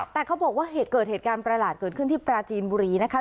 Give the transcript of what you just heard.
แต่เขาบอกว่าเกิดเหตุการณ์ประหลาดเกิดขึ้นที่ปราจีนบุรีนะคะ